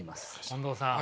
近藤さん。